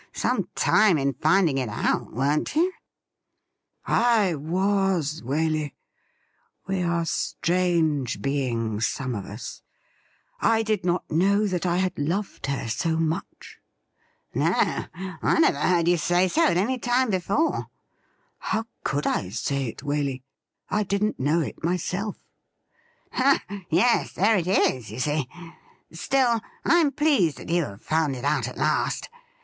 Some time in finding it out, weren't you .?'' I was, Waley ! We are strange beings — some of us ! I did not know that I had loved her so much ^' No ; I never heard you say so at any time before ^'* How could I say it, Waley ? I didn't know it myself ' Ah yes, there it is, you see ! Still, I'm pleased that you have found it out at last.